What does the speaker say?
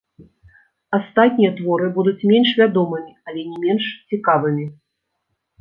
Астатнія творы будуць менш вядомымі, але не менш цікавымі.